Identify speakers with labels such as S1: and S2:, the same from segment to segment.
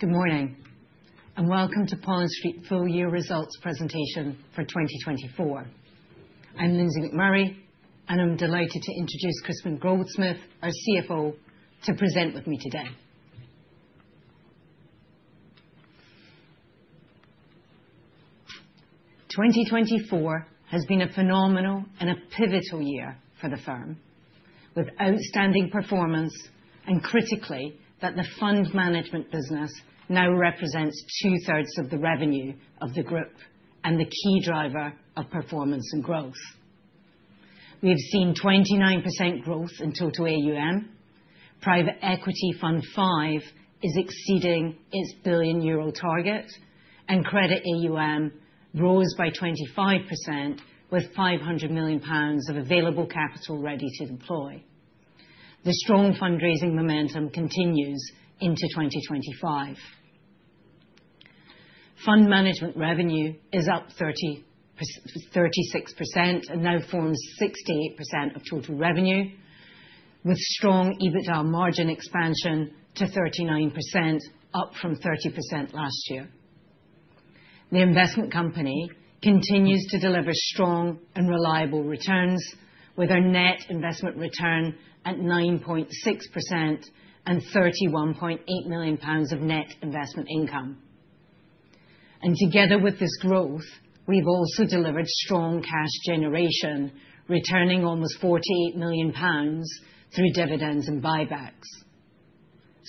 S1: Good morning, and welcome to Pollen Street full year results presentation for 2024. I'm Lindsey McMurray, and I'm delighted to introduce Crispin Goldsmith, our CFO, to present with me today. 2024 has been a phenomenal and a pivotal year for the firm, with outstanding performance, and critically, that the fund management business now represents two-thirds of the revenue of the group and the key driver of performance and growth. We have seen 29% growth in total AUM, Private Equity Fund V is exceeding its billion euro target, and credit AUM rose by 25%, with 500 million pounds of available capital ready to deploy. The strong fundraising momentum continues into 2025. Fund management revenue is up 36% and now forms 68% of total revenue, with strong EBITDA margin expansion to 39%, up from 30% last year. The investment company continues to deliver strong and reliable returns, with a net investment return at 9.6% and 31.8 million pounds of net investment income. Together with this growth, we have also delivered strong cash generation, returning almost 48 million pounds through dividends and buybacks.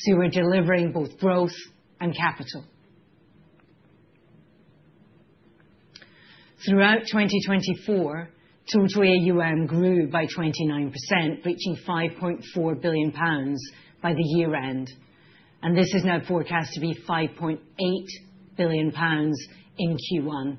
S1: We are delivering both growth and capital. Throughout 2024, total AUM grew by 29%, reaching 5.4 billion pounds by the year-end, and this is now forecast to be 5.8 billion pounds in Q1.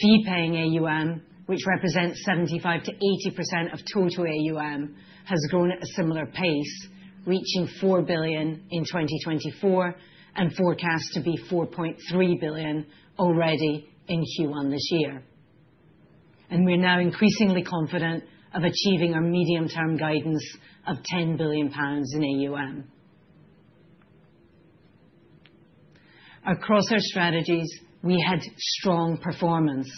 S1: Fee-paying AUM, which represents 75%-80% of total AUM, has grown at a similar pace, reaching 4 billion in 2024 and forecast to be 4.3 billion already in Q1 this year. We are now increasingly confident of achieving our medium-term guidance of 10 billion pounds in AUM. Across our strategies, we had strong performance.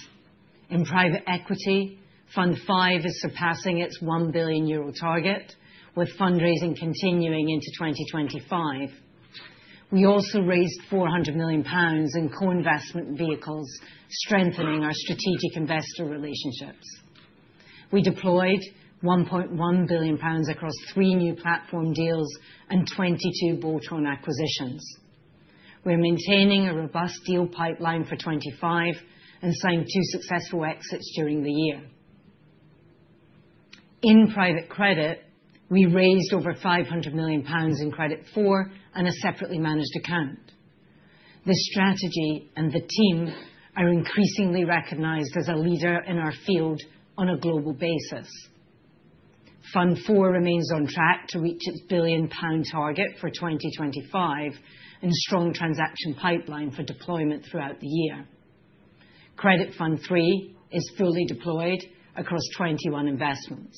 S1: In Private Equity Fund V is surpassing its GBP 1 billion target, with fundraising continuing into 2025. We also raised 400 million pounds in co-investment vehicles, strengthening our strategic investor relationships. We deployed 1.1 billion pounds across three new platform deals and 22 bolt-on acquisitions. We're maintaining a robust deal pipeline for 2025 and signed two successful exits during the year. In private credit, we raised over 500 million pounds in Credit Fund IV and a separately managed account. This strategy and the team are increasingly recognized as a leader in our field on a global basis. Fund IV remains on track to reach its billion-pound target for 2025 and a strong transaction pipeline for deployment throughout the year. Credit Fund III is fully deployed across 21 investments.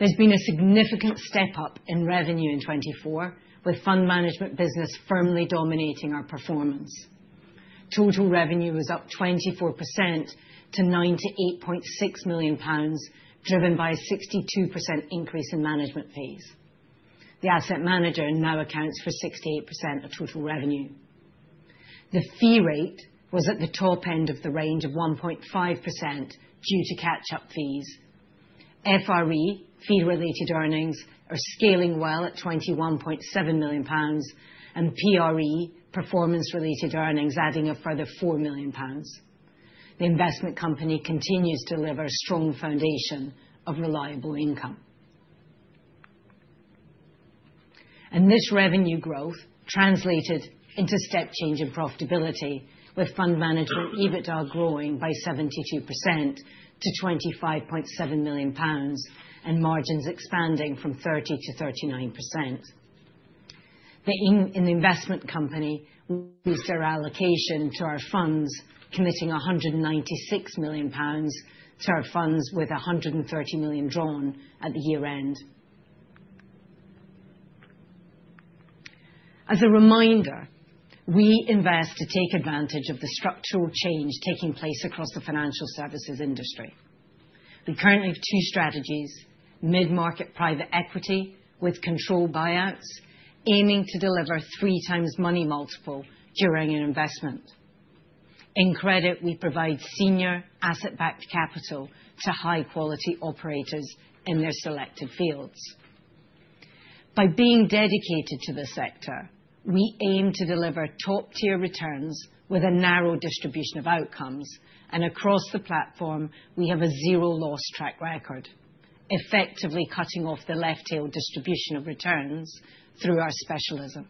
S1: There's been a significant step up in revenue in 2024, with fund management business firmly dominating our performance. Total revenue was up 24% to 98.6 million pounds, driven by a 62% increase in management fees. The asset manager now accounts for 68% of total revenue. The fee rate was at the top end of the range of 1.5% due to catch-up fees. FRE, fee-related earnings, are scaling well at 21.7 million pounds, and PRE, performance-related earnings, adding a further 4 million pounds. The investment company continues to deliver a strong foundation of reliable income. This revenue growth translated into step change in profitability, with fund management EBITDA growing by 72% to 25.7 million pounds and margins expanding from 30% to 39%. In the investment company, we saw allocation to our funds committing 196 million pounds to our funds, with 130 million drawn at the year-end. As a reminder, we invest to take advantage of the structural change taking place across the financial services industry. We currently have two strategies: mid-market private equity with controlled buyouts, aiming to deliver three-times money multiple during an investment. In credit, we provide senior asset-backed capital to high-quality operators in their selected fields. By being dedicated to the sector, we aim to deliver top-tier returns with a narrow distribution of outcomes, and across the platform, we have a zero-loss track record, effectively cutting off the left-tail distribution of returns through our specialism.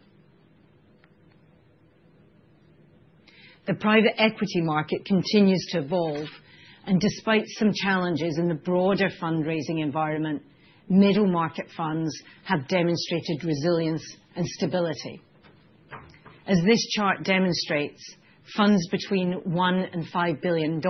S1: The private equity market continues to evolve, and despite some challenges in the broader fundraising environment, middle-market funds have demonstrated resilience and stability. As this chart demonstrates, funds between $1 billion and $5 billion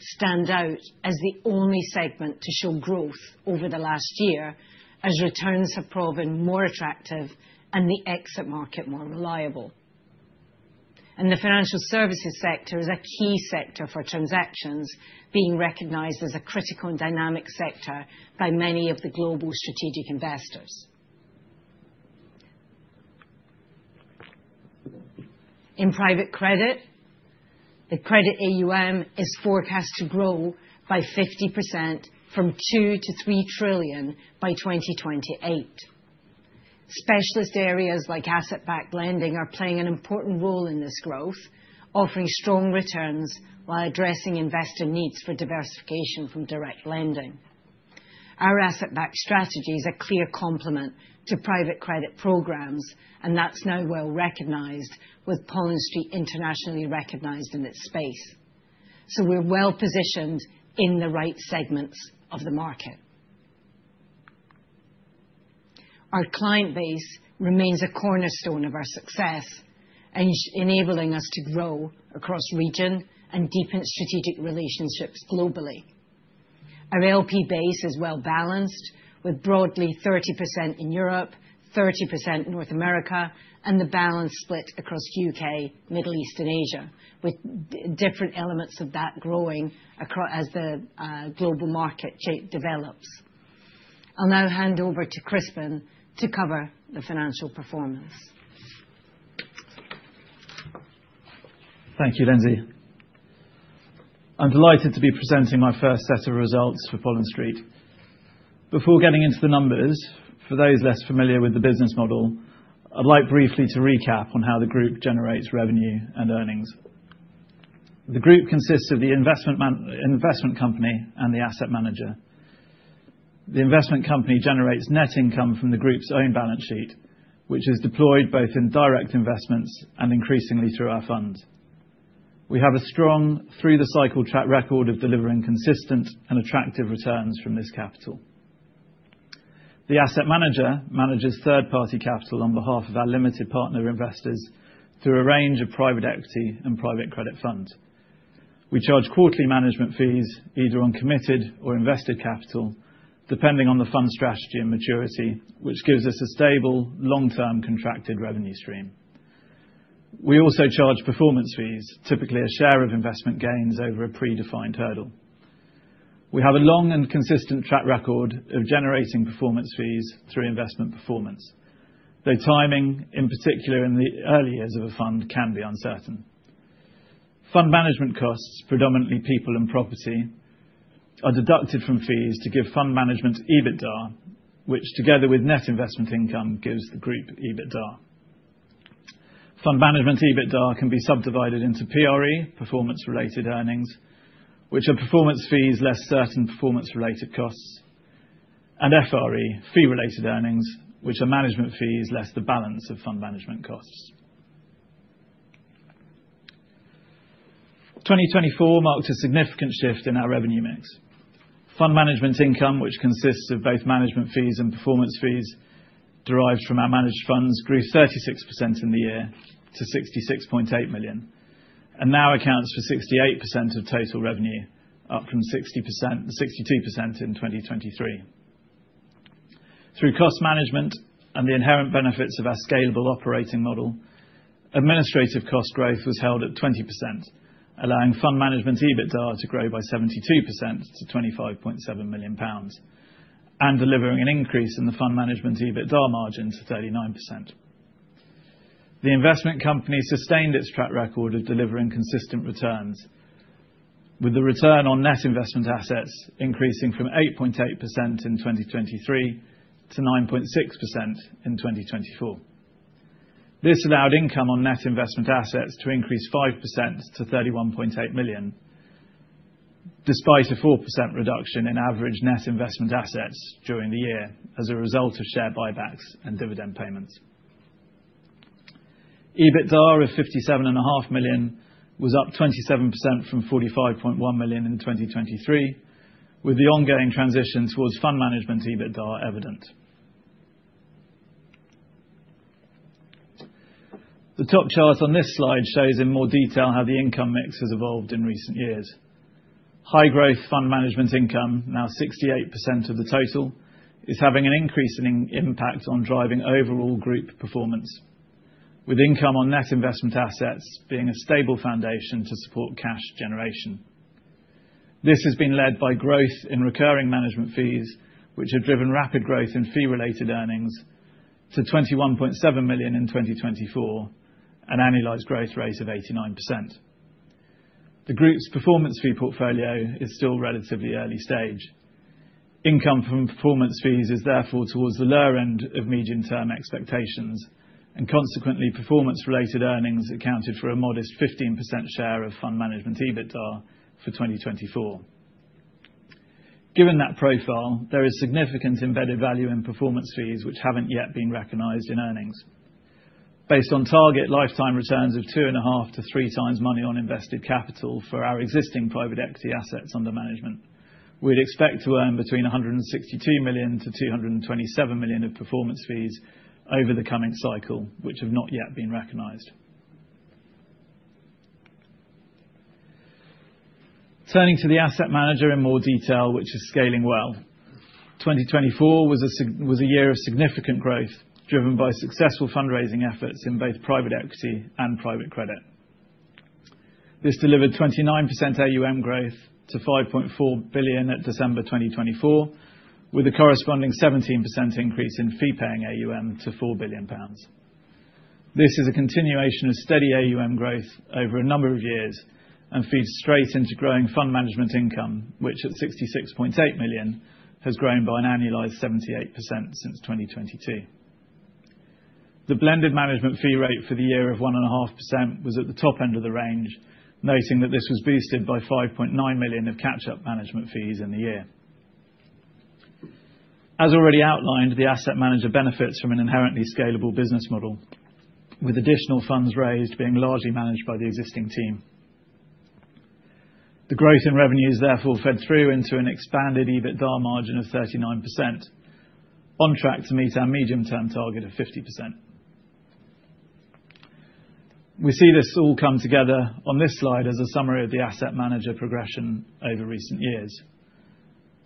S1: stand out as the only segment to show growth over the last year, as returns have proven more attractive and the exit market more reliable. The financial services sector is a key sector for transactions, being recognized as a critical and dynamic sector by many of the global strategic investors. In private credit, the credit AUM is forecast to grow by 50% from 2 trillion to 3 trillion by 2028. Specialist areas like asset-backed lending are playing an important role in this growth, offering strong returns while addressing investor needs for diversification from direct lending. Our asset-backed strategy is a clear complement to private credit programs, and that's now well recognized, with Pollen Street internationally recognized in this space. We are well positioned in the right segments of the market. Our client base remains a cornerstone of our success, enabling us to grow across region and deepen strategic relationships globally. Our LP base is well balanced, with broadly 30% in Europe, 30% North America, and the balance split across the U.K., Middle East, and Asia, with different elements of that growing as the global market develops. I'll now hand over to Crispin to cover the financial performance.
S2: Thank you, Lindsey. I'm delighted to be presenting my first set of results for Pollen Street. Before getting into the numbers, for those less familiar with the business model, I'd like briefly to recap on how the group generates revenue and earnings. The group consists of the investment company and the asset manager. The investment company generates net income from the group's own balance sheet, which is deployed both in direct investments and increasingly through our funds. We have a strong through-the-cycle track record of delivering consistent and attractive returns from this capital. The asset manager manages third-party capital on behalf of our limited partner investors through a range of private equity and private credit funds. We charge quarterly management fees, either on committed or invested capital, depending on the fund strategy and maturity, which gives us a stable, long-term contracted revenue stream. We also charge performance fees, typically a share of investment gains over a predefined hurdle. We have a long and consistent track record of generating performance fees through investment performance, though timing, in particular in the early years of a fund, can be uncertain. Fund management costs, predominantly people and property, are deducted from fees to give fund management EBITDA, which, together with net investment income, gives the group EBITDA. Fund management EBITDA can be subdivided into PRE, performance-related earnings, which are performance fees less certain performance-related costs, and FRE, fee-related earnings, which are management fees less the balance of fund management costs. 2024 marked a significant shift in our revenue mix. Fund management income, which consists of both management fees and performance fees derived from our managed funds, grew 36% in the year to 66.8 million, and now accounts for 68% of total revenue, up from 62% in 2023. Through cost management and the inherent benefits of our scalable operating model, administrative cost growth was held at 20%, allowing fund management EBITDA to grow by 72% to 25.7 million pounds and delivering an increase in the fund management EBITDA margin to 39%. The investment company sustained its track record of delivering consistent returns, with the return on net investment assets increasing from 8.8% in 2023 to 9.6% in 2024. This allowed income on net investment assets to increase 5% to 31.8 million, despite a 4% reduction in average net investment assets during the year as a result of share buybacks and dividend payments. EBITDA of 57.5 million was up 27% from 45.1 million in 2023, with the ongoing transition towards fund management EBITDA evident. The top chart on this slide shows in more detail how the income mix has evolved in recent years. High-growth fund management income, now 68% of the total, is having an increasing impact on driving overall group performance, with income on net investment assets being a stable foundation to support cash generation. This has been led by growth in recurring management fees, which have driven rapid growth in fee-related earnings to 21.7 million in 2024, an annualized growth rate of 89%. The group's performance fee portfolio is still relatively early stage. Income from performance fees is therefore towards the lower end of medium-term expectations, and consequently, performance-related earnings accounted for a modest 15% share of fund management EBITDA for 2024. Given that profile, there is significant embedded value in performance fees which have not yet been recognized in earnings. Based on target lifetime returns of two and a half to three times money on invested capital for our existing private equity assets under management, we'd expect to earn between 162 million-227 million of performance fees over the coming cycle, which have not yet been recognized. Turning to the asset manager in more detail, which is scaling well, 2024 was a year of significant growth driven by successful fundraising efforts in both private equity and private credit. This delivered 29% AUM growth to 5.4 billion at December 2024, with a corresponding 17% increase in fee-paying AUM to 4 billion pounds. This is a continuation of steady AUM growth over a number of years and feeds straight into growing fund management income, which at 66.8 million has grown by an annualized 78% since 2022. The blended management fee rate for the year of 1.5% was at the top end of the range, noting that this was boosted by 5.9 million of catch-up management fees in the year. As already outlined, the asset manager benefits from an inherently scalable business model, with additional funds raised being largely managed by the existing team. The growth in revenues therefore fed through into an expanded EBITDA margin of 39%, on track to meet our medium-term target of 50%. We see this all come together on this slide as a summary of the asset manager progression over recent years.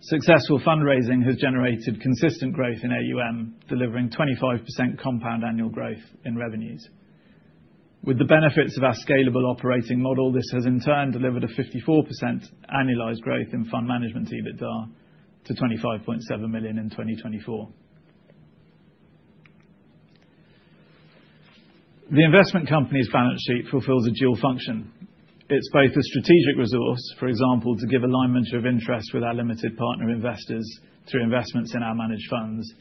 S2: Successful fundraising has generated consistent growth in AUM, delivering 25% compound annual growth in revenues. With the benefits of our scalable operating model, this has in turn delivered a 54% annualized growth in fund management EBITDA to 25.7 million in 2024. The investment company's balance sheet fulfills a dual function. It's both a strategic resource, for example, to give alignment of interest with our limited partner investors through investments in our managed funds,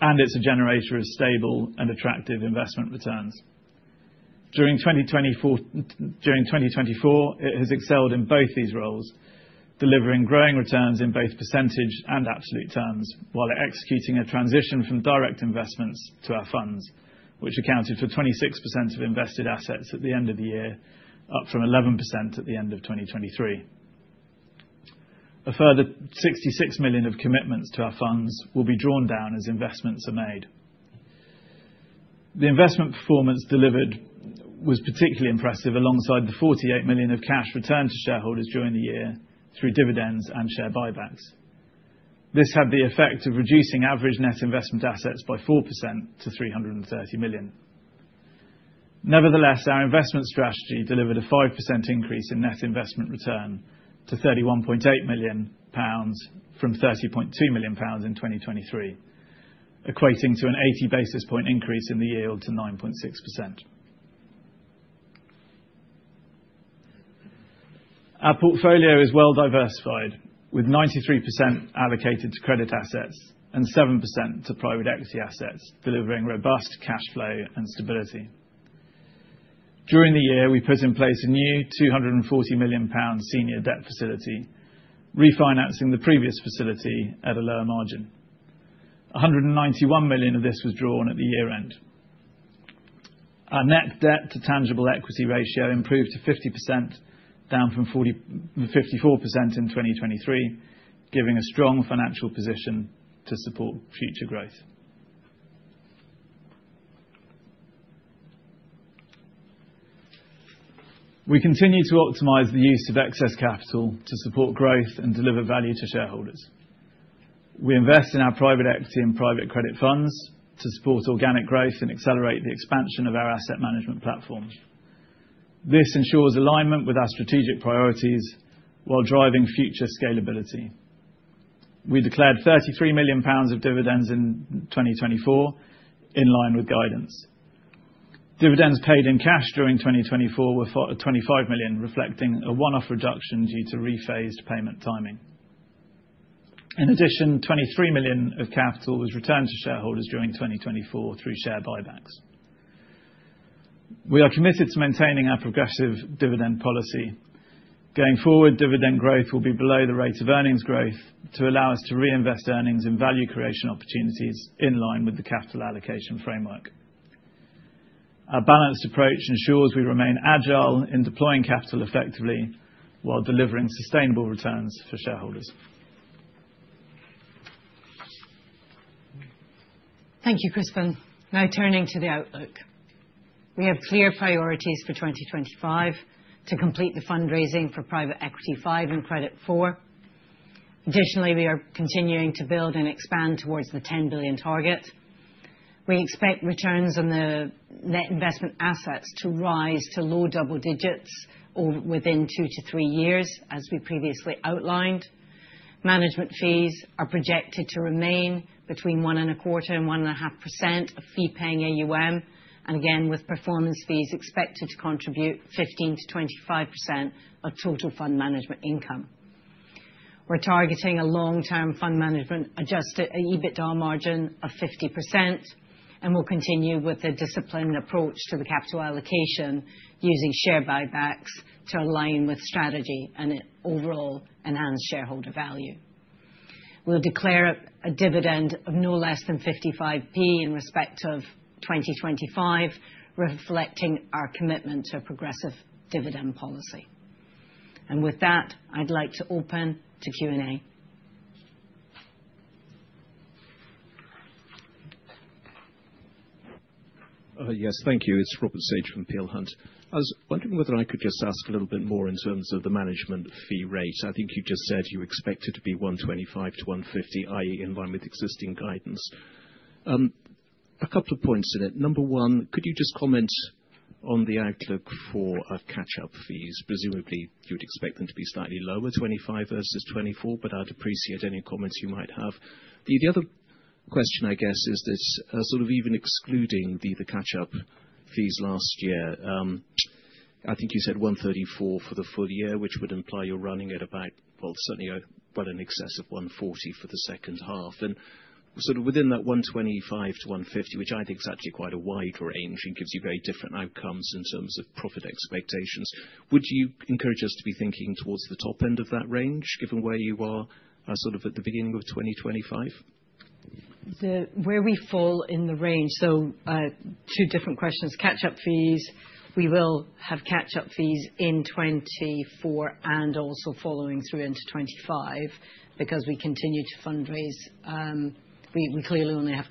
S2: and it's a generator of stable and attractive investment returns. During 2024, it has excelled in both these roles, delivering growing returns in both percentage and absolute terms while executing a transition from direct investments to our funds, which accounted for 26% of invested assets at the end of the year, up from 11% at the end of 2023. A further 66 million of commitments to our funds will be drawn down as investments are made. The investment performance delivered was particularly impressive alongside the 48 million of cash returned to shareholders during the year through dividends and share buybacks. This had the effect of reducing average net investment assets by 4% to 330 million. Nevertheless, our investment strategy delivered a 5% increase in net investment return to 31.8 million pounds from 30.2 million pounds in 2023, equating to an 80 basis point increase in the yield to 9.6%. Our portfolio is well diversified, with 93% allocated to credit assets and 7% to private equity assets, delivering robust cash flow and stability. During the year, we put in place a new 240 million pounds senior debt facility, refinancing the previous facility at a lower margin. 191 million of this was drawn at the year-end. Our net debt to tangible equity ratio improved to 50%, down from 54% in 2023, giving a strong financial position to support future growth. We continue to optimize the use of excess capital to support growth and deliver value to shareholders. We invest in our private equity and private credit funds to support organic growth and accelerate the expansion of our asset management platform. This ensures alignment with our strategic priorities while driving future scalability. We declared 33 million pounds of dividends in 2024, in line with guidance. Dividends paid in cash during 2024 were 25 million, reflecting a one-off reduction due to rephased payment timing. In addition, 23 million of capital was returned to shareholders during 2024 through share buybacks. We are committed to maintaining our progressive dividend policy. Going forward, dividend growth will be below the rate of earnings growth to allow us to reinvest earnings in value creation opportunities in line with the capital allocation framework. Our balanced approach ensures we remain agile in deploying capital effectively while delivering sustainable returns for shareholders.
S1: Thank you, Crispin. Now turning to the outlook, we have clear priorities for 2025 to complete the fundraising for Private Equity Fund V and Credit Fund IV. Additionally, we are continuing to build and expand towards the 10 billion target. We expect returns on the net investment assets to rise to low double digits within two to three years, as we previously outlined. Management fees are projected to remain between 1.25% and 1.5% of fee-paying AUM, and again, with performance fees expected to contribute 15%-25% of total fund management income. We're targeting a long-term fund management adjusted EBITDA margin of 50%, and we'll continue with a disciplined approach to the capital allocation using share buybacks to align with strategy and overall enhanced shareholder value. We'll declare a dividend of no less than 0.55 in respect of 2025, reflecting our commitment to a progressive dividend policy. With that, I'd like to open to Q&A.
S3: Yes, thank you. It's Robert Sage from Peel Hunt. I was wondering whether I could just ask a little bit more in terms of the management fee rate. I think you just said you expect it to be 1.25%-1.50%, i.e., in line with existing guidance. A couple of points in it. Number one, could you just comment on the outlook for our catch-up fees? Presumably, you would expect them to be slightly lower, 2025 versus 2024, but I'd appreciate any comments you might have. The other question, I guess, is that sort of even excluding the catch-up fees last year, I think you said 1.34% for the full year, which would imply you're running at about, well, certainly quite an excess of 1.40% for the second half. Within that 1.25% -1.50%, which I think is actually quite a wide range and gives you very different outcomes in terms of profit expectations, would you encourage us to be thinking towards the top end of that range, given where you are at the beginning of 2025?
S1: Where we fall in the range, two different questions. Catch-up fees, we will have catch-up fees in 2024 and also following through into 2025 because we continue to fundraise. We clearly only have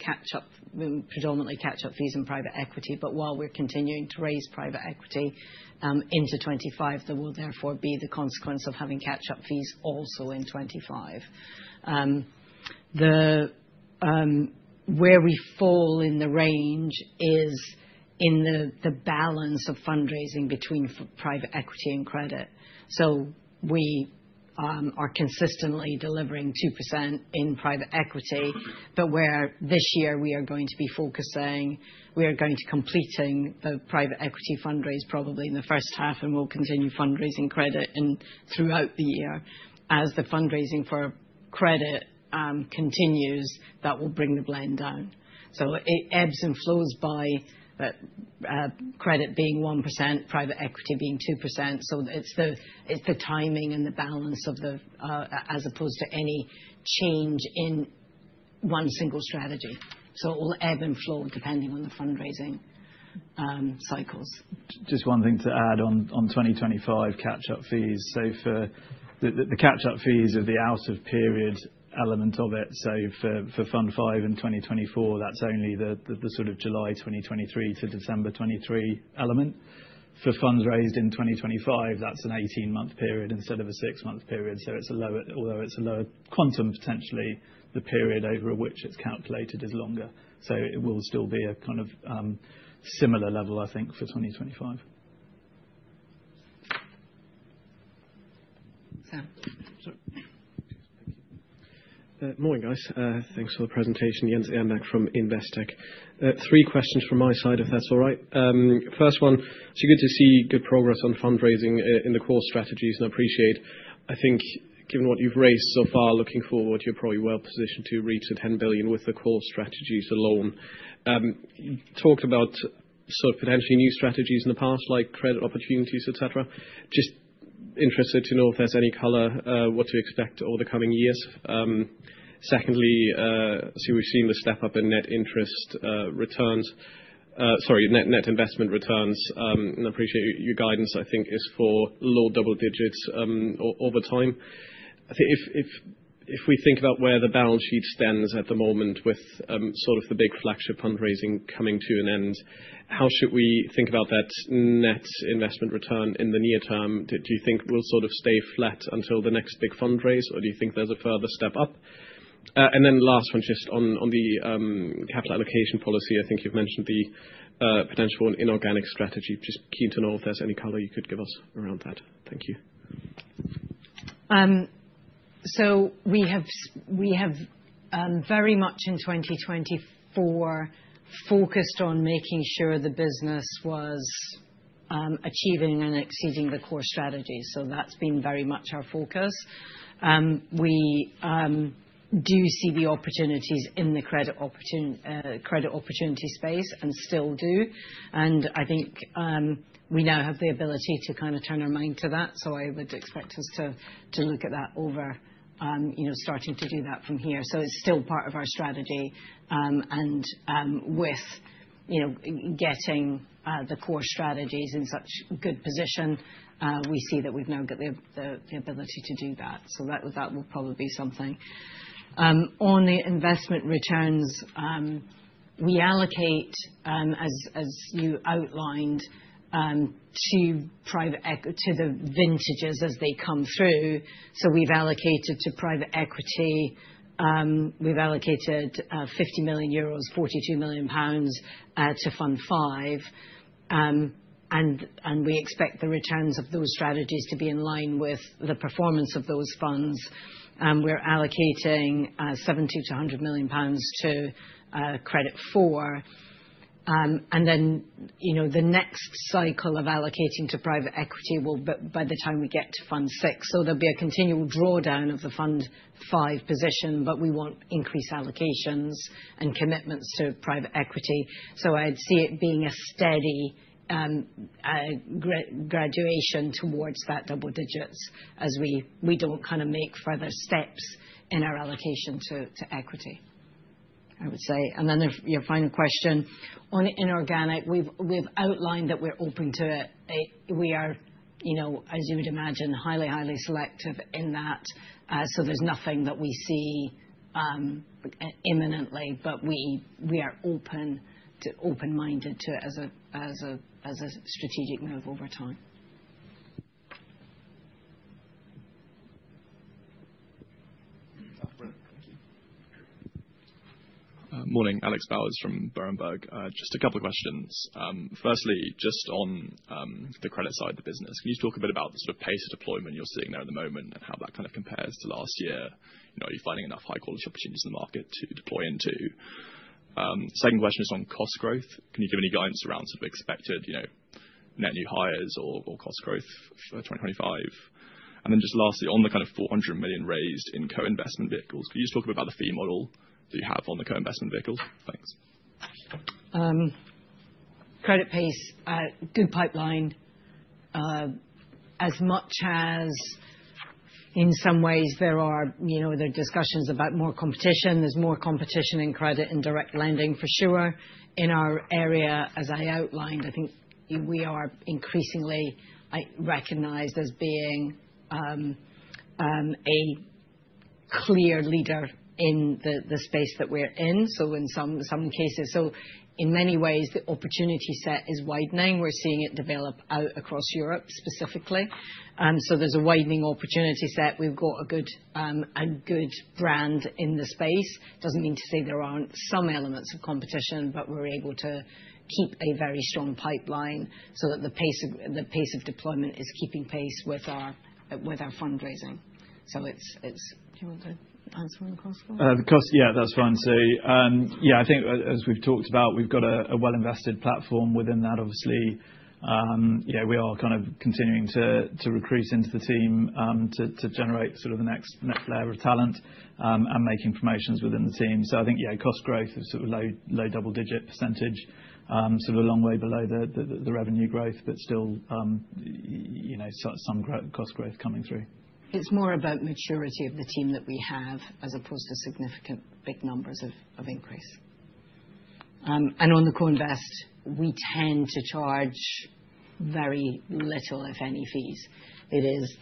S1: predominantly catch-up fees in private equity, but while we are continuing to raise private equity into 2025, there will therefore be the consequence of having catch-up fees also in 2025. Where we fall in the range is in the balance of fundraising between private equity and credit. We are consistently delivering 2% in private equity, but where this year we are going to be focusing, we are going to be completing the private equity fundraise probably in the first half, and we will continue fundraising credit throughout the year. As the fundraising for credit continues, that will bring the blend down. It ebbs and flows by credit being 1%, private equity being 2%. It's the timing and the balance of the as opposed to any change in one single strategy. It will ebb and flow depending on the fundraising cycles.
S2: Just one thing to add on 2025 catch-up fees. The catch-up fees are the out-of-period element of it. For Fund V in 2024, that's only the sort of July 2023 to December 2023 element. For funds raised in 2025, that's an 18-month period instead of a six-month period. Although it's a lower quantum, potentially, the period over which it's calculated is longer. It will still be a kind of similar level, I think, for 2025. Thank you.
S4: Morning, guys. Thanks for the presentation. Jens Ehrenberg from Investec. Three questions from my side, if that's all right. First one, it's good to see good progress on fundraising in the core strategies, and I appreciate, I think, given what you've raised so far, looking forward, you're probably well positioned to reach the 10 billion with the core strategies alone. You talked about sort of potentially new strategies in the past, like credit opportunities, etc. Just interested to know if there's any color, what to expect over the coming years. Secondly, we've seen the step-up in net interest returns, sorry, net investment returns, and I appreciate your guidance, I think, is for low double digits over time. I think if we think about where the balance sheet stands at the moment with sort of the big flagship fundraising coming to an end, how should we think about that net investment return in the near term? Do you think we'll sort of stay flat until the next big fundraise, or do you think there's a further step up? Last one, just on the capital allocation policy, I think you've mentioned the potential for an inorganic strategy. Just keen to know if there's any color you could give us around that. Thank you.
S1: We have very much in 2024 focused on making sure the business was achieving and exceeding the core strategy. That has been very much our focus. We do see the opportunities in the credit opportunity space and still do. I think we now have the ability to kind of turn our mind to that. I would expect us to look at that over, starting to do that from here. It is still part of our strategy. With getting the core strategies in such good position, we see that we have now got the ability to do that. That will probably be something. On the investment returns, we allocate, as you outlined, to the vintages as they come through. We have allocated to private equity, we have allocated 50 million euros, 42 million pounds to Fund V. We expect the returns of those strategies to be in line with the performance of those funds. We are allocating 70 million-100 million pounds to Credit Fund IV. The next cycle of allocating to private equity will, by the time we get to Fund VI, so there will be a continual drawdown of the Fund V position, but we want increased allocations and commitments to private equity. I would see it being a steady graduation towards that double digits as we do not kind of make further steps in our allocation to equity, I would say. Your final question on inorganic, we have outlined that we are open to it. We are, as you would imagine, highly, highly selective in that. There is nothing that we see imminently, but we are open-minded to it as a strategic move over time.
S5: Morning, Alex Bowers from Berenberg. Just a couple of questions. Firstly, just on the credit side of the business, can you talk a bit about the sort of pace of deployment you're seeing there at the moment and how that kind of compares to last year? Are you finding enough high-quality opportunities in the market to deploy into? Second question is on cost growth. Can you give any guidance around sort of expected net new hires or cost growth for 2025? And then just lastly, on the kind of 400 million raised in co-investment vehicles, could you just talk a bit about the fee model that you have on the co-investment vehicles? Thanks.
S1: Credit pace, good pipeline. As much as in some ways there are discussions about more competition, there's more competition in credit and direct lending for sure. In our area, as I outlined, I think we are increasingly recognized as being a clear leader in the space that we're in, so in some cases. In many ways, the opportunity set is widening. We're seeing it develop out across Europe specifically. There's a widening opportunity set. We've got a good brand in the space. Doesn't mean to say there aren't some elements of competition, but we're able to keep a very strong pipeline so that the pace of deployment is keeping pace with our fundraising. It's. Do you want to answer on the cost?
S2: The cost, yeah, that's fine. Yeah, I think as we've talked about, we've got a well-invested platform within that, obviously. Yeah, we are kind of continuing to recruit into the team to generate sort of the next layer of talent and making promotions within the team. I think, yeah, cost growth is sort of low double digit percentage, sort of a long way below the revenue growth, but still some cost growth coming through.
S1: It's more about maturity of the team that we have as opposed to significant big numbers of increase. On the co-invest, we tend to charge very little, if any, fees. It is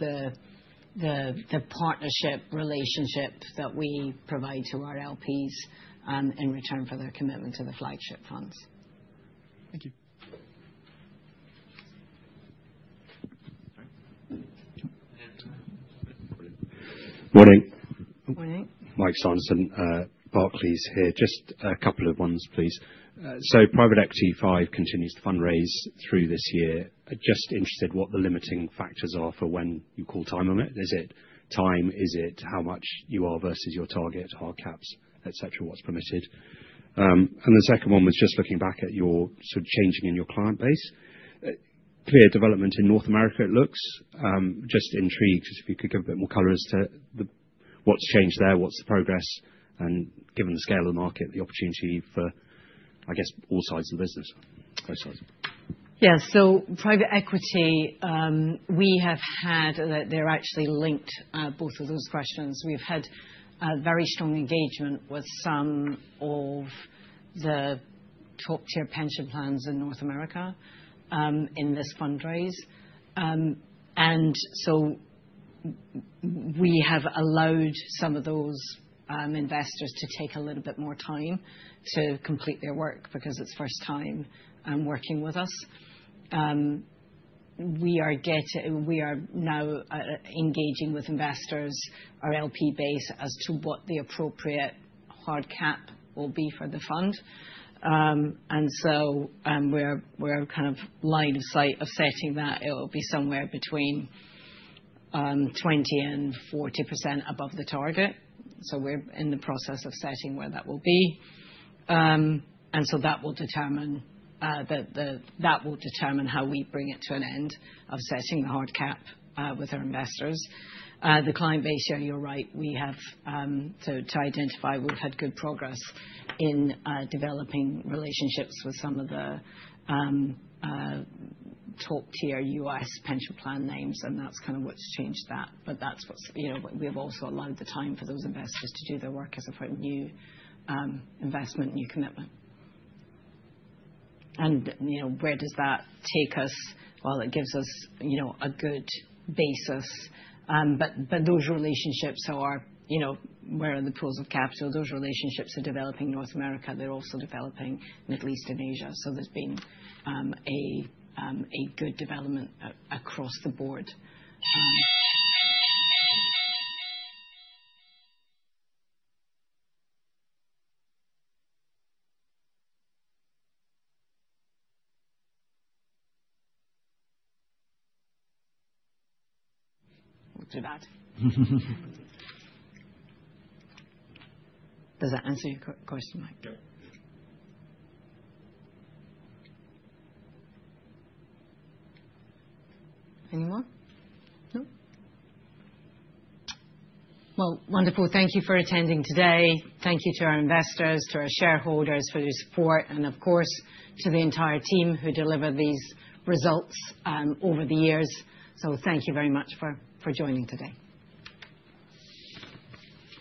S1: the partnership relationship that we provide to our LPs in return for their commitment to the flagship funds.
S5: Thank you.
S6: Morning.
S1: Morning.
S6: Mike Sanderson, Barclays here. Just a couple of ones, please. Private Equity Fund V continues to fundraise through this year. Just interested what the limiting factors are for when you call time on it. Is it time? Is it how much you are versus your target, hard caps, etc., what's permitted? The second one was just looking back at your sort of changing in your client base. Clear development in North America, it looks. Just intrigued if you could give a bit more color as to what's changed there, what's the progress, and given the scale of the market, the opportunity for, I guess, all sides of the business, both sides.
S1: Yeah, so private equity, we have had they're actually linked both of those questions. We've had very strong engagement with some of the top-tier pension plans in North America in this fundraise. We have allowed some of those investors to take a little bit more time to complete their work because it's first time working with us. We are now engaging with investors, our LP base, as to what the appropriate hard cap will be for the fund. We're kind of line of sight of setting that. It will be somewhere between 20%-40% above the target. We're in the process of setting where that will be. That will determine how we bring it to an end of setting the hard cap with our investors. The client base, yeah, you're right. We have, to identify, we've had good progress in developing relationships with some of the top-tier U.S. pension plan names, and that's kind of what's changed that. That's what's also allowed the time for those investors to do their work as a new investment, new commitment. Where does that take us? It gives us a good basis. Those relationships are where are the pools of capital? Those relationships are developing North America. They're also developing Middle East and Asia. There's been a good development across the board.
S6: Looks about.
S1: Does that answer your question, Mike?
S6: Yeah.
S1: Any more? No? Wonderful. Thank you for attending today. Thank you to our investors, to our shareholders for their support, and of course, to the entire team who delivered these results over the years. Thank you very much for joining today.